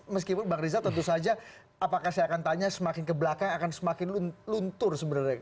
meskipun bang riza tentu saja apakah saya akan tanya semakin ke belakang akan semakin luntur sebenarnya